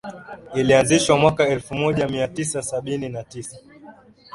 ilianzishwa mwaka elfumoja miatisa sabini na tisa